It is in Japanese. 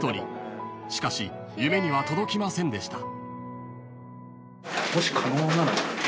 ［しかし夢には届きませんでした］